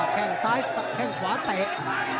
แค่งซ้ายแข้งขวาเตะ